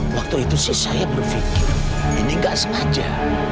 waktu itu sih saya berpikir ini nggak sengaja